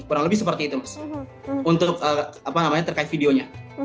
kurang lebih seperti itu mas untuk terkait videonya